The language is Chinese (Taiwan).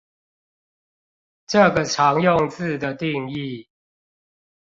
這個常用字的定義